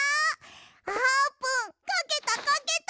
あーぷんかけたかけた！